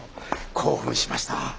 興奮しました。